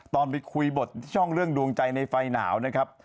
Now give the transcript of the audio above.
ตอนไปคุยบทที่ช่องเรื่องดวงใจในไฟหนาวนะครับ